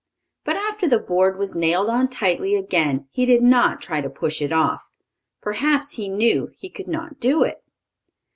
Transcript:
But, after the board was nailed on tightly again, he did not try to push it off. Perhaps he knew he could not do it.